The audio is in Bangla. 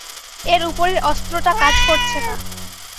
এর উপরের অস্ত্রটা কাজ করছে না।